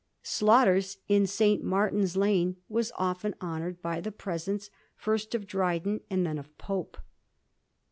Slaughter's, in St. Martin's Lane, was c&m honoured by the presence, first of Dryden, and then of Pope.